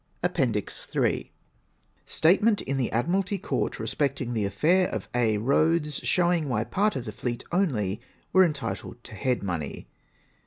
APPENDIX IIL STATEMENT IN THE ADMIRALTY COURT RESPECTING THE AFFAIR OF AIX ROADS, SHOWING WHY PART OF THE FLEET ONLY WERE ENTITLED TO HEAD MONEY.